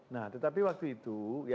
nah tetapi waktu itu